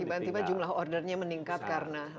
tiba tiba jumlah ordernya meningkat karena